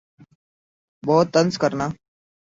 بَہُت طنز کرنا